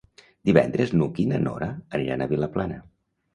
Divendres n'Hug i na Nora aniran a Vilaplana.